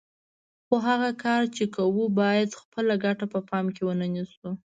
خو هغه کار چې کوو یې باید خپله ګټه په پام کې ونه نیسو.